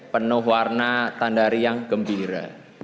penuh warna tandari yang gembira